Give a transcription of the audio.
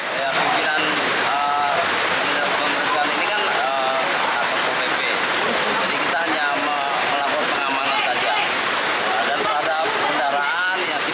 di terhubung sekeliling asap prk yang diadakan provinsi biaszo pembangunan setelah jodoh